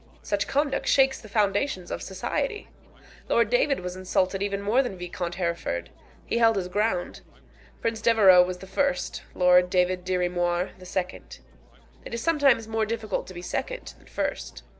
Such conduct shakes the foundations of society. Lord David was insulted even more than Viscount Hereford. He held his ground. Prince Devereux was the first, Lord David Dirry Moir the second. It is sometimes more difficult to be second than first.